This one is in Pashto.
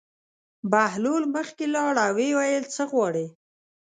بهلول مخکې لاړ او ویې ویل: څه غواړې.